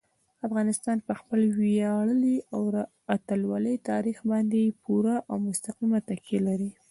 افغانستان په خپل ویاړلي او اتلولۍ تاریخ باندې پوره او مستقیمه تکیه لري.